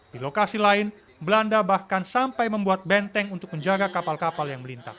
di lokasi lain belanda bahkan sampai membuat benteng untuk menjaga kapal kapal yang melintas